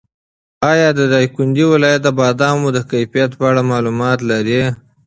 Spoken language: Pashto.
ایا د دایکنډي ولایت د بادامو د کیفیت په اړه معلومات لرې؟